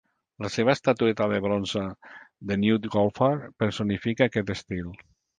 La seva estatueta de bronze "The Nude Golfer" personifica aquest estil.